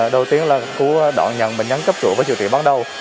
đầu tiên là khu đoạn nhận bệnh nhân cấp trụ với điều trị bắt đầu